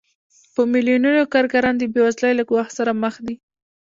په میلیونونو کارګران د بېوزلۍ له ګواښ سره مخ دي